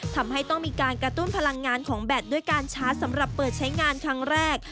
ทำให้ต้องมีการกระตุ้นพลังงานของแบตด้วยการชาร์จสำหรับเปิดใช้งานครั้งแรก